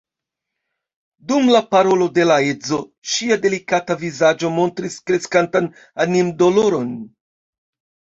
Dum la parolo de la edzo ŝia delikata vizaĝo montris kreskantan animdoloron.